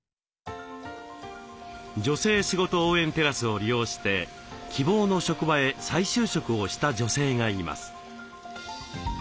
女性しごと応援テラスを利用して希望の職場へ再就職をした女性がいます。